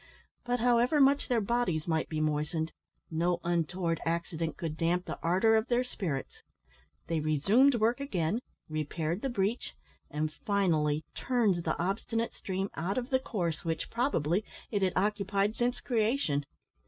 But, however much their bodies might be moistened, no untoward accident could damp the ardour of their spirits. They resumed work again; repaired the breach, and, finally, turned the obstinate stream out of the course which, probably, it had occupied since creation.